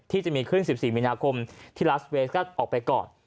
ที่จะมีขึ้น๑๔มีนาคมที่ลาสเวสก็ออกไปก่อน